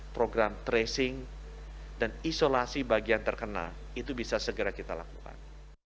program tracing dan isolasi bagi yang terkena itu bisa segera kita lakukan